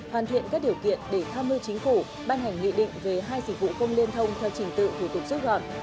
hoàn thiện các điều kiện để tham mưu chính phủ ban hành nghị định về hai dịch vụ công liên thông theo trình tự thủ tục rút gọn